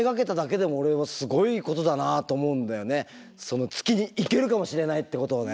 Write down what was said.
その月に行けるかもしれないってことをね。